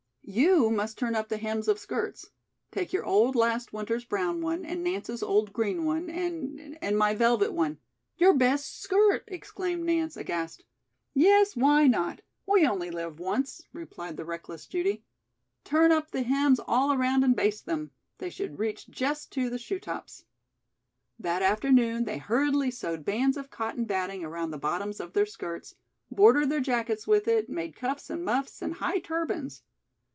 "You must turn up the hems of skirts. Take your old last winter's brown one, and Nance's old green one, and and my velvet one " "Your best skirt!" exclaimed Nance aghast. "Yes, why not? We only live once," replied the reckless Judy. "Turn up the hems all around and baste them. They should reach just to the shoetops." That afternoon they hurriedly sewed bands of cotton batting around the bottoms of their skirts, bordered their jackets with it, made cuffs and muffs and high turbans.